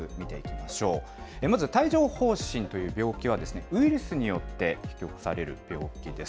まず帯状ほう疹という病気はウイルスによって引き起こされる病気です。